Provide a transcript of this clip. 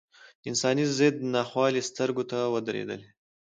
انساني ضد ناخوالې سترګو ته ودرېدلې.